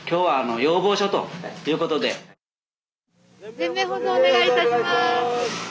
全面保存お願いいたします。